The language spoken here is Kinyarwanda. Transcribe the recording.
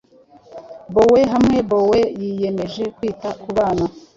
Boe hamwe boe biyemeje kwita kubana